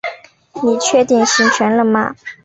你确定行程了吗？